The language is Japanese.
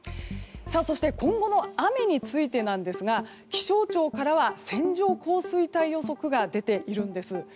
そして、今後の雨についてなんですが気象庁からは線状降水帯予測が出ているんです。